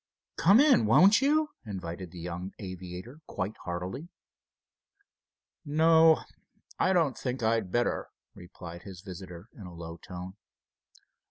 "Come in, won't you?" invited the young aviator, quite heartily. "No, I don't think I'd better," replied his visitor, in a low tone.